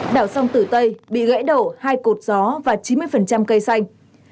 đảo sông tử tây bị gãy đổ hai cột gió và chín mươi cây xanh